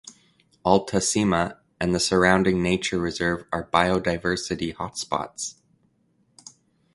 Alta Cima and the surrounding nature reserve are biodiversity hotspots.